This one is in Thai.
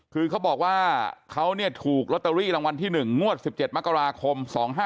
คือเขาบอกว่าเขาถูกลอตเตอรี่รางวัลที่๑งวด๑๗มกราคม๒๕๖